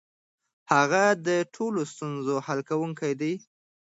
هغه د ټولو ستونزو حل کونکی دی.